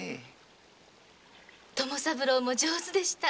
友三郎も上手でした。